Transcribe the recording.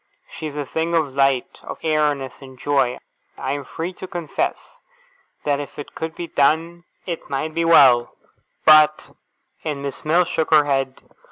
She is a thing of light, and airiness, and joy. I am free to confess that if it could be done, it might be well, but ' And Miss Mills shook her head.